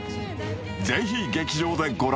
ぜひ劇場でご覧